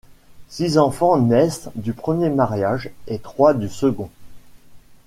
Six enfants naissent du premier mariage et trois du second.